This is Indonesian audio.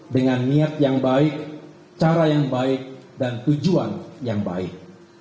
dengan niat yang baik cara yang baik dan tujuan yang baik